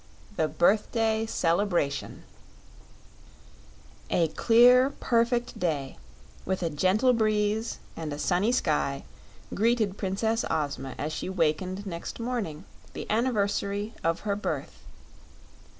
24. The Birthday Celebration A clear, perfect day, with a gentle breeze and a sunny sky, greeted Princess Ozma as she wakened next morning, the anniversary of her birth.